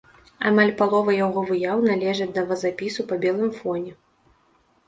Амаль палова яго выяў належаць да вазапісу па белым фоне.